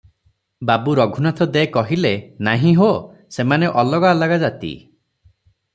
ବାବୁ ରଘୁନାଥ ଦେ କହିଲେ, "ନାହିଁ ହୋ, ସେମାନେ ଅଲଗା ଅଲଗା ଜାତି ।